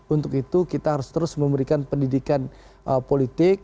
untuk itu kita harus terus memberikan pendidikan politik